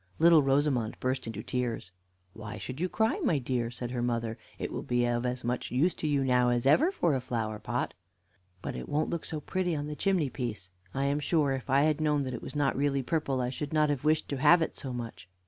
Little Rosamond burst into tears. "Why should you cry, my dear?" said her mother; "it will be of as much use to you now as ever, for a flower pot." "But it won't look so pretty on the chimney piece. I am sure, if I had known that it was not really purple, I should not have wished to have it so much."